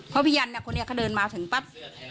พอพี่ยันทร์คนนี้เขาเดินมาถึงปั๊บ